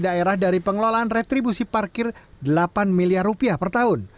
daerah dari pengelolaan retribusi parkir delapan miliar rupiah per tahun